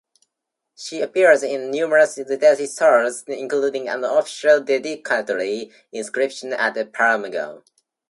She appears in numerous literary sources, including an official dedicatory inscription at Pergamon.